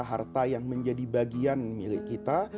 harta yang menjadi bagian milik kita